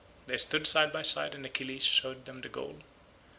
They stood side by side and Achilles showed them the goal.